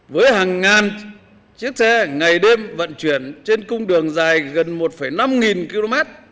với hàng ngàn chiếc xe ngày đêm vận chuyển trên cung đường dài gần một năm nghìn km